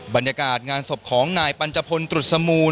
บรรยากาศงานศพของนายปัญจพลตรุษมูล